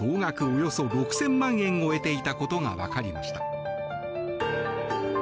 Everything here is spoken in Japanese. およそ６０００万円を得ていたことが分かりました。